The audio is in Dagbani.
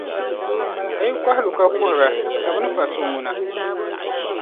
A yi kɔhi n-lu ka kuhira, ka bɛ ni fa so ŋuna?